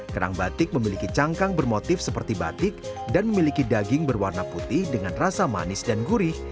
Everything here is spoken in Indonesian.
kerang batik memiliki cangkang bermotif seperti batik dan memiliki daging berwarna putih dengan rasa manis dan gurih